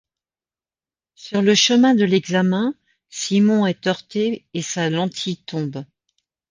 Sur le chemin de l'examen, Simon est heurté et sa lentille tombe.